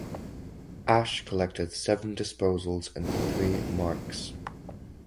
Ash collected seven disposals and three marks.